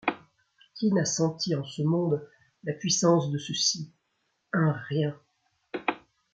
Qui n’a senti en ce monde la puissance de ceci : un rien !